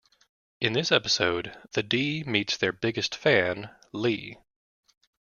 In this episode The D meets their biggest fan, Lee.